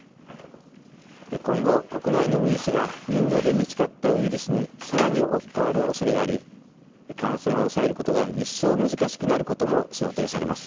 今後、国内のウイルスがインドで見つかったウイルスにさらに置き換わるおそれがあり感染を抑えることが一層難しくなることも想定されます。